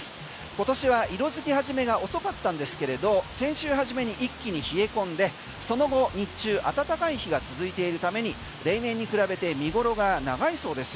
今年は色づき始めが遅かったんですけれど先週初めに一気に冷え込んでその後、日中暖かい日が続いているために例年に比べて見頃が長いそうです。